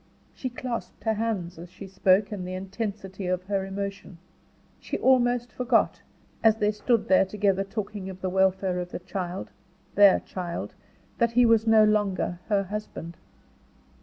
She clasped her hands as she spoke, in the intensity of her emotion. She almost forgot, as they stood there together talking of the welfare of the child, their child, that he was no longer her husband.